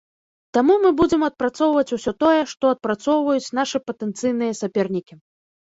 Таму мы будзем адпрацоўваць усё тое, што адпрацоўваюць нашы патэнцыйныя сапернікі.